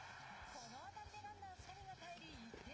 この当たりでランナー２人が帰り